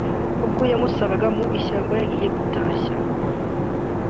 ubwo yamusangaga mu ishyamba yagiye gutashya